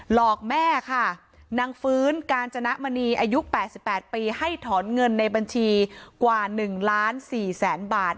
อกแม่ค่ะนางฟื้นกาญจนมณีอายุ๘๘ปีให้ถอนเงินในบัญชีกว่า๑ล้าน๔แสนบาท